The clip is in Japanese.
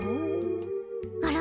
あら？